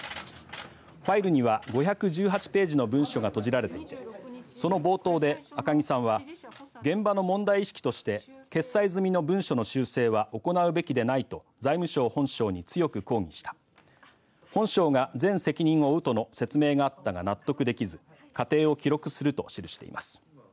ファイルには５１８ページの文書がとじられていてその冒頭で、赤木さんは現場の問題意識として決裁済みの文書の修正は行うべきでないと財務省本省に強く抗議した本省が全責任を負うとの説明があったが納得できず過程を記録すると記しています。